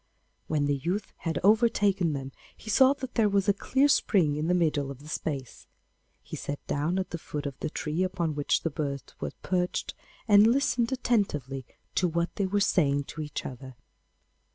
When the youth had overtaken them, he saw that there was a clear spring in the middle of the space. He sat down at the foot of the tree upon which the birds were perched, and listened attentively to what they were saying to each other.